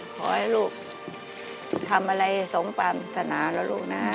ขอให้ลูกทำอะไรทรงปราณมิถนาเองแล้วลูกนะ